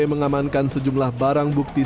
mengamankan sejumlah barang bukti